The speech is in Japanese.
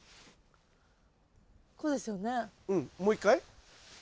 うんもう一回。